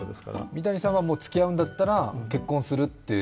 三谷さんはつきあうんだったら結婚すると？